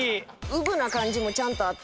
うぶな感じもちゃんとあって。